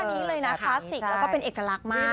อันนี้เลยนะคลาสสิกแล้วก็เป็นเอกลักษณ์มาก